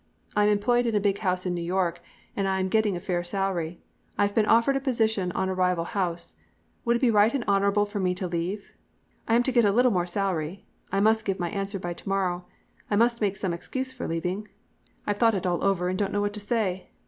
I'm employed in a big house in New York and I am getting a fair salary. I have been offered a position in a rival house. Would it be right and honourable for me to leave? I am to get a little more salary. I must give my answer by to morrow. I must make some excuse for leaving. I've thought it all over and don't know what to say.